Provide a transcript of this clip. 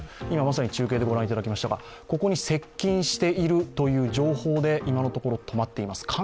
今まさに中継で御覧いただきましたが、ここに接近しているという情報で今のところ止まっています。